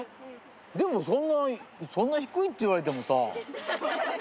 でもそんな低いって言われてもさ。